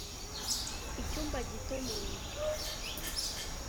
icyumba gito mu nzu